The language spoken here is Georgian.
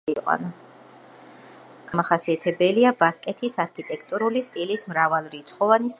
ქალაქ-კურორტისათვის დამახასიათებელია ბასკეთის არქიტექტურული სტილის მრავალრიცხოვანი სახლები.